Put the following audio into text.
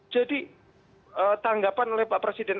jadi tanggapan oleh pak presiden